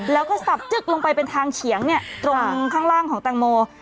แล้วก็สับจึ๊กลงไปเป็นทางเฉียงตรงข้างล่างของแตงโม